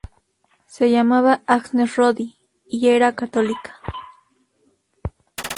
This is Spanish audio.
Se llamaba Agnes Roddy, y era católica.